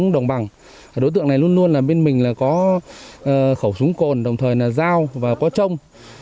đối tượng này luôn luôn là bên mình là có khẩu súng cồn đồng thời là dao và có trông